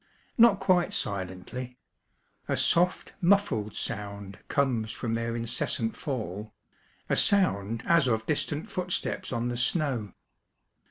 Not quite silentiy; a soft, muffled sound comes from their in cessant fall ŌĆö ^a sound as of distant footsteps on the snow.